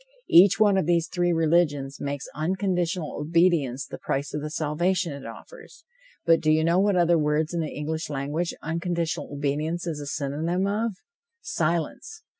Each one of these three religions makes unconditional obedience the price of the salvation it offers, but do you know what other word in the English language unconditional obedience is a synonym of? Silence!